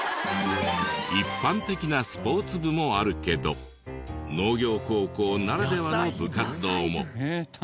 一般的なスポーツ部もあるけど農業高校ならではの部活動も。